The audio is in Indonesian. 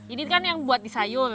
ini kan yang buat di sayur